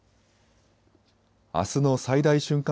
あすの最大瞬間